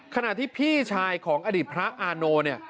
ขณะที่พี่ชายของอดีตพระอาโนเนี่ย